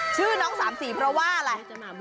ชื่อน้อง๓๔เพราะว่าอะไร